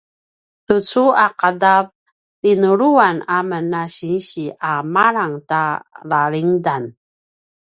tucu a qadav tinuluan amen na sinsi a malang ta lalingedan